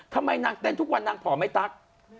ทำไมนางเต้นทุกวันนางผอมไม่ตั๊ก